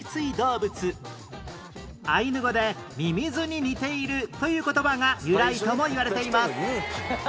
アイヌ語で「ミミズに似ている」という言葉が由来ともいわれています